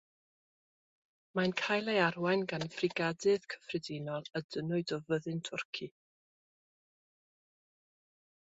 Mae'n cael ei arwain gan Frigadydd Cyffredinol a dynnwyd o Fyddin Twrci.